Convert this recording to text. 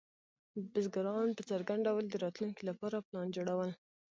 بزګران په څرګند ډول د راتلونکي لپاره پلان جوړول.